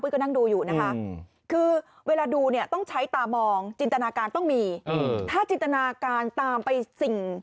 ก็นั่งดูอยู่นะคะคือเวลาดูเนี่ยต้องใช้ตามองจินตนาการต้องมีถ้าจินตนาการตามไปสิ่ง